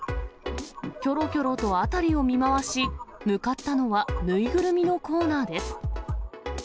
きょろきょろと辺りを見回し、向かったのは縫いぐるみのコーナーです。